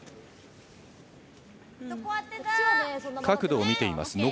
角度を見ています。